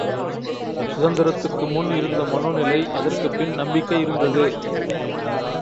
சுதந்திரத்துக்கு முன் இருந்த மனோ நிலை அதற்குப் பின் நம்பிக்கை இருந்தது.